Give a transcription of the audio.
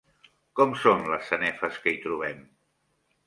Com són les sanefes que hi trobem?